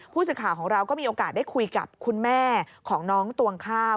ผู้สื่อข่าวของเราก็มีโอกาสได้คุยกับคุณแม่ของน้องตวงข้าว